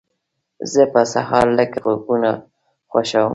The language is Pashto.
زه په سهار لږ غږونه خوښوم.